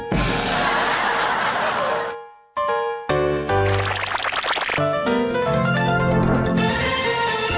โปรดติดตามตอนต่อไป